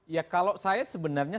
ya kalau saya sebenarnya